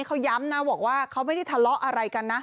เขาย้ำนะบอกว่าเขาไม่ได้ทะเลาะอะไรกันนะ